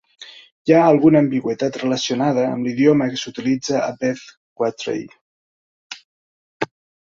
Hi ha alguna ambigüitat relacionada amb l'idioma que s'utilitza a Beth Qatraye.